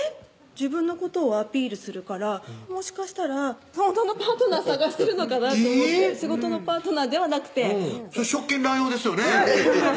自分のことをアピールするからもしかしたらほんとのパートナー探してるのかなと思って仕事のパートナーではなくてそれ職権乱用ですよね